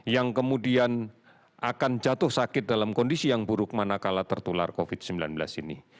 yang kemudian akan jatuh sakit dalam kondisi yang buruk manakala tertular covid sembilan belas ini